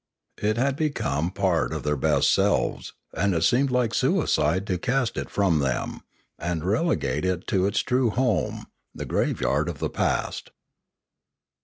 It had become a part of their best selves, and it seemed like suicide to cast it from them, and relegate it to its true home, the graveyard of the past.